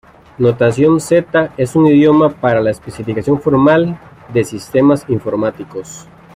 Notación Z es un idioma para la especificación formal de sistemas informáticos.